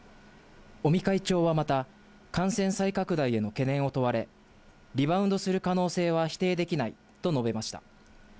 尾身会長はまた、感染再拡大への懸念を問われ、リバウンドする可能性は否定できないと述べました。